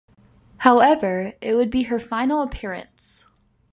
However, it would be her final appearance.